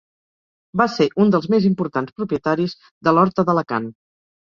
Va ser un dels més importants propietaris de l'horta d'Alacant.